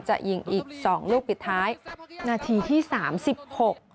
จะยิงอีกสองลูกปิดท้ายนาทีที่สามสิบหก